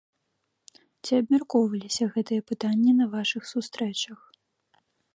Ці абмяркоўваліся гэтыя пытанні на вашых сустрэчах?